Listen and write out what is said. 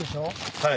はい。